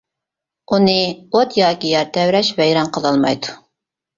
ئۇنى ئوت ياكى يەر تەۋرەش ۋەيران قىلالمايدۇ.